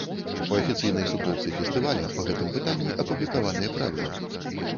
У афіцыйнай суполцы фестываля па гэтым пытанні апублікаваныя правілы.